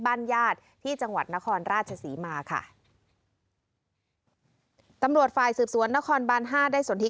บ้านญาติที่จังหวัดนครราชศรีมาค่ะตำรวจฝ่ายสืบสวนนครบานห้าได้สนทิ